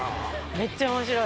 めっちゃ面白い。